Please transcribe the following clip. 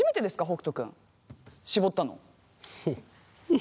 北斗君絞ったの。